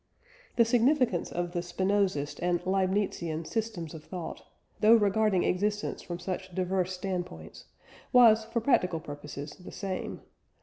The significance of the Spinozist and Leibnizian systems of thought, though regarding existence from such diverse standpoints, was, for practical purposes the same.